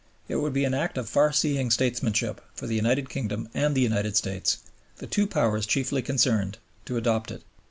It would be an act of far seeing statesmanship for the United Kingdom and the United States, the two Powers chiefly concerned, to adopt it.